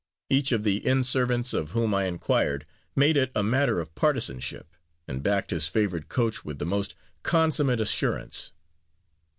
Each of the inn servants of whom I inquired made it a matter of partisanship, and backed his favorite coach with the most consummate assurance.